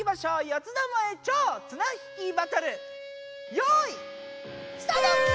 四つどもえ超・綱引きバトルよいスタート！